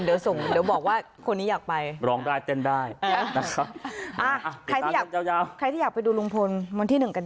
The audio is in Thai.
นัไปอยู่แล้วหาใครที่อยากไปดูเวรมือที่หนึ่งไหวน่ะก็พักแรงดูซื้องที่หนึ่ง